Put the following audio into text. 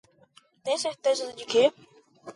Tem certeza de que?